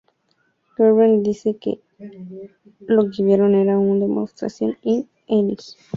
Greenberg dice que “lo que vieron era una demostración in-engine".